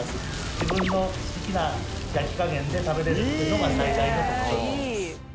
自分の好きな焼き加減で食べれるっていうのが最大の特徴になります。